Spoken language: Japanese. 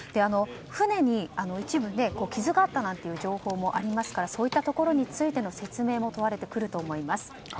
船に一部、傷があったという情報もありますからそういったところについての説明も問われてくると思います。